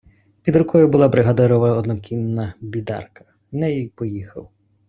Під рукою була бригадирова однокінна бідарка - нею й поїхав.